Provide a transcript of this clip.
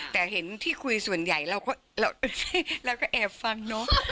แต่เห็นที่คุยส่วนใหญ่เราก็แอบฟังเนอะ